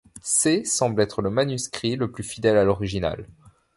C semble être le manuscrit le plus fidèle à l’originale.